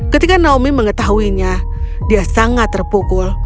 ketika naomi mengetahuinya dia sangat terpukul